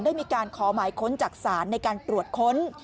ได้มีการขอหมายค้นจากศาลในการตรวจค้น